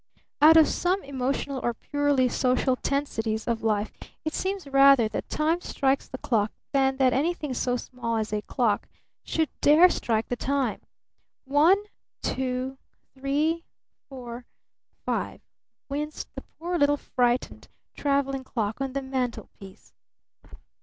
Out of some emotional or purely social tensities of life it seems rather that Time strikes the clock than that anything so small as a clock should dare strike the Time. One two three four five! winced the poor little frightened traveling clock on the mantelpiece.